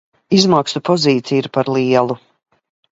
Izmaksu pozīcija ir par lielu.